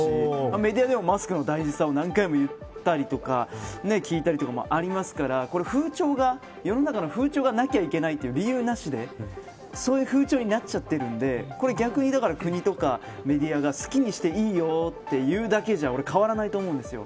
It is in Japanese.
メディアでもマスクの大事さを何回も言ったりとか聞いたりとかありますから世の中の風潮が、なきゃいけないという、理由なしでそういう風潮になっているので逆に国とかメディアが好きにしていいと言うだけじゃ変わらないと思います。